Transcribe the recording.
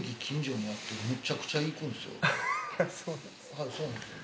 はっそうなんですか。